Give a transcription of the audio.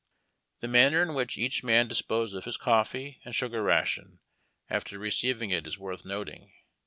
The manner in which each man disposed of his coffee and sugar ration after receiving it is worth noting.